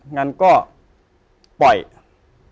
งั้นก็ปล่อยเลย